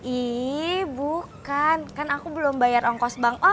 ihh bukan kan aku belum bayar ongkos bank ojek